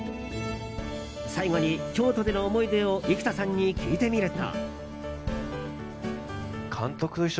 最後に京都での思い出を生田さんに聞いてみると。